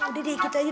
udah deh gitu aja